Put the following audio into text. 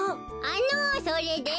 あのそれで？